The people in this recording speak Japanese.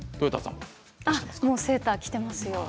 もうセーター着ていますよ。